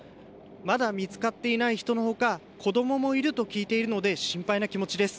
まだ見つかっていない人のほか子どももいると聞いているので心配な気持ちです。